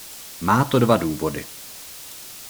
Má to dva důvody.